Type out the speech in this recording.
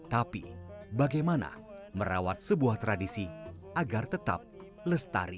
tapi bagaimana merawat sebuah tradisi agar tetap lestari